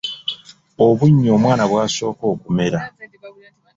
Obunnyo omwana bw’asooka okumera.